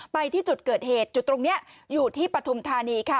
ไปที่จุดเกิดเหตุจุดตรงนี้อยู่ที่ปฐุมธานีค่ะ